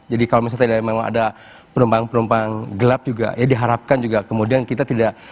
jadi kalau misalnya memang ada penumpang penumpang gelap juga ya diharapkan juga kemudian kita tidak